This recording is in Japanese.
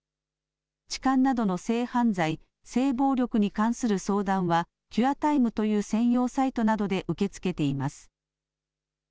痴漢などの性犯罪・性暴力に関する相談はＣｕｒｅｔｉｍｅという専用サイトなどで受け付けています。